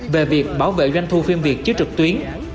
về việc bảo vệ doanh thu phim việt chiếu trực tuyến